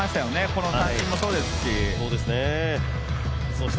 この三振もそうですし。